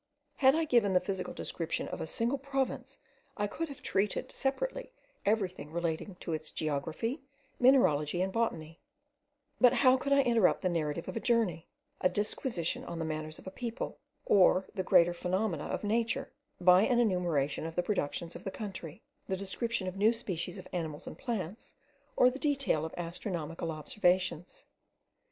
Had I given the physical description of a single province, I could have treated separately everything relating to its geography, mineralogy, and botany; but how could I interrupt the narrative of a journey, a disquisition on the manners of a people, or the great phenomena of nature, by an enumeration of the productions of the country, the description of new species of animals and plants, or the detail of astronomical observations.